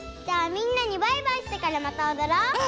じゃあみんなにバイバイしてからまたおどろう！